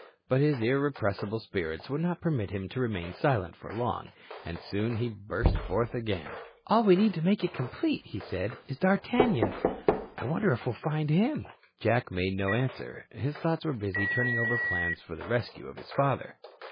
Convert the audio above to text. But his irrepressible spirits would not permit him to remain silent for long, and soon he burst forth again. "All we need to make it complete," he said, "is D'Artagnan. I wonder if we'll find him." Jack made no answer. His thoughts were busy turning over plans for the rescue of his father.